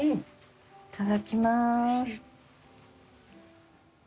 いただきます。